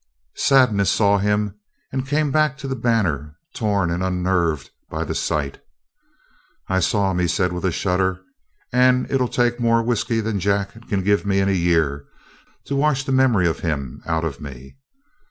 Sadness saw him and came back to the Banner, torn and unnerved by the sight. "I saw him," he said with a shudder, "and it 'll take more whiskey than Jack can give me in a year to wash the memory of him out of me.